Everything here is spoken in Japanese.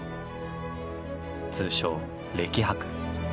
通称「歴博」。